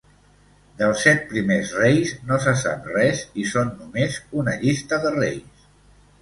Dels set primers reis no se sap res i són només una llista de reis.